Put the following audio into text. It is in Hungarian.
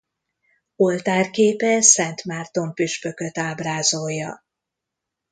Oltárképe Szent Márton püspököt ábrázolja.